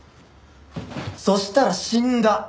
そしたら死んだ！